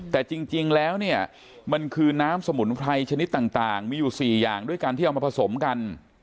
แต่จริงแล้วเนี่ยมันคือน้ำสมุนไพรชนิดต่างมีอยู่๔อย่างด้วยกันที่เอามาผสมกัน